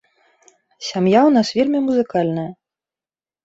Сям'я ў нас вельмі музыкальная.